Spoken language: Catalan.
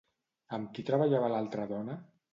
Amb qui treballava l'altra dona?